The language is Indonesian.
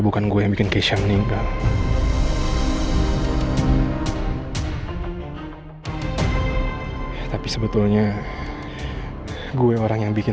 ya walaikum salam gak